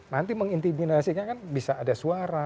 nanti mengintimidasinya kan bisa ada suara